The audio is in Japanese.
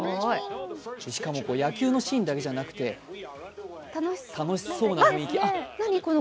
しかも、野球のシーンだけじゃなくて楽しそうな雰囲気。